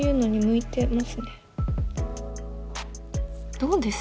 どうです？